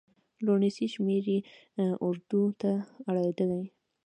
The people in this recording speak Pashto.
لوڼسې شمېرې اردو ته اړېدلي.